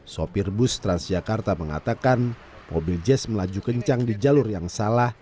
sopir bus transjakarta mengatakan mobil jazz melaju kencang di jalur yang salah